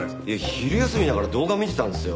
昼休みだから動画見てたんですよ。